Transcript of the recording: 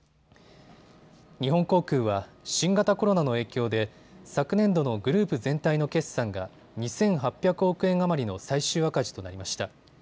日本航空は新型コロナの影響で昨年度のグループ全体の決算が２８００億円余りの最終赤字となりました。